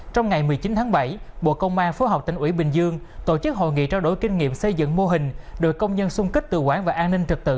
trong ngày một mươi chín tháng bảy bộ công an phố học tỉnh ủy bình dương tổ chức hội nghị trao đổi kinh nghiệm xây dựng mô hình đội công nhân xung kích tự quản và an ninh trật tự